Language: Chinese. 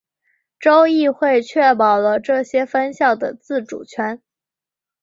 州议会确保了这些分校的自主权。